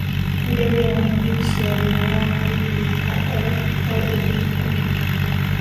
Idadi ya wanajeshi waliouawa haijajulikana